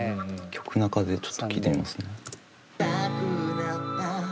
曲中でちょっと聴いてみますね。